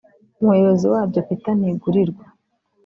Umuyobozi waryo Peter Ntigurirwa